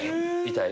痛い？